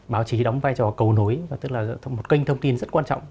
báo chí đóng vai trò cầu nối và tức là một kênh thông tin rất quan trọng